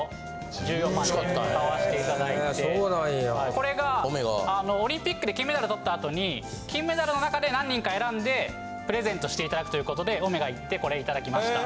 これがオリンピックで金メダルとったあとに金メダルの中で何人か選んでプレゼントして頂くという事でオメガ行ってこれ頂きました。